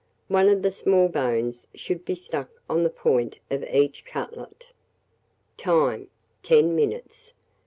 One of the small bones should be stuck on the point of each cutlet. Time. 10 minutes.